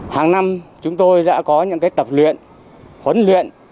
hàng năm chúng tôi đã có những tập luyện huấn luyện